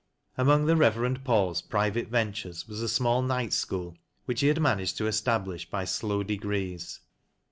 Among the Reverend Paul's private rentnres was a small night schoo. which he had managed to establish bj glow degrees.